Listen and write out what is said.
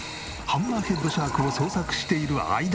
ハンマーヘッドシャークを捜索している間に。